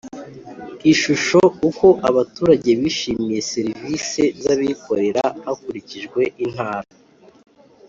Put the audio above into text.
Ishusho Uko abaturage bishimiye serivisi z abikorera hakurijijwe intara